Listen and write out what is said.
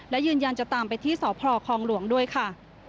และยืนยันจะตามไปที่สพคลองหลวงด้วยค่ะ